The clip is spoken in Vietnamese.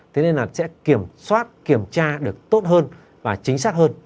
thế nên là sẽ kiểm soát kiểm tra được tốt hơn và chính xác hơn